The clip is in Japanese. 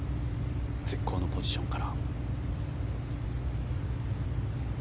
絶好のポジションから。